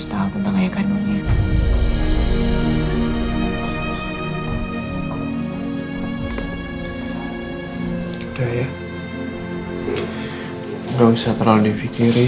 termasuk soal hubungan gue sama nino